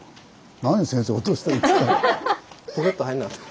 何先生落としてるんですか？